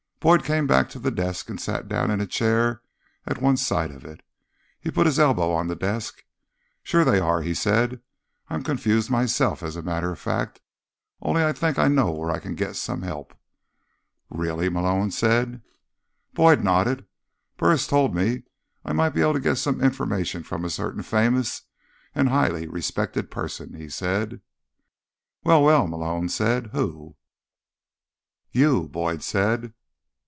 Boyd came back to the desk and sat down in a chair at one side of it. He put his elbow on the desk. "Sure they are," he said. "I'm confused myself, as a matter of fact. Only I think I know where I can get some help." "Really?" Malone said. Boyd nodded. "Burris told me I might be able to get some information from a certain famous and highly respected person," he said. "Well, well," Malone said. "Who?" "You," Boyd said.